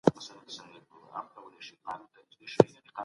د اجتماعی فکرو پراختیا د هر فرد لپاره مهمه ده.